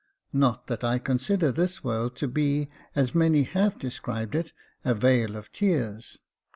Not that I consider this world to be, as many have described it, a ' vale of tears.'